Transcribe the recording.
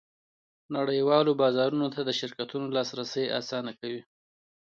نړیوالو بازارونو ته د شرکتونو لاسرسی اسانه کوي